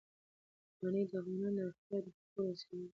منی د افغانانو د اړتیاوو د پوره کولو وسیله ده.